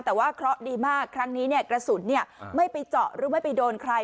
แต่ว่าเคราะห์ดีมากครั้งนี้กระสุนไม่ไปเจาะหรือไม่ไปโดนใคร